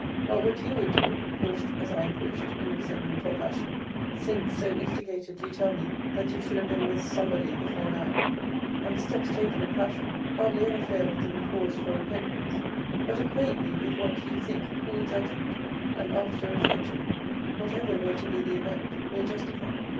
Not what you would do (pushed as I am pushed) in resentment or passion since, so instigated, you tell me, that you should have been with somebody before now and steps taken in passion hardly ever fail of giving cause for repentance: but acquaint me with what you think cool judgment, and after reflection, whatever were to be the event, will justify.